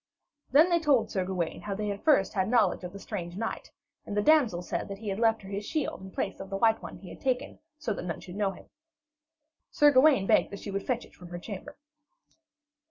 Then they told Sir Gawaine how they had first had knowledge of the strange knight; and the damsel said that he had left her his shield in place of the white one he had taken, so that none should know him. Sir Gawaine begged that she would fetch it from her chamber.